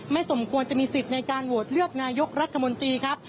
ไม่สมควรจะมีสิทธิในการโหวดเลือกนายกรัทธิปไตยครับ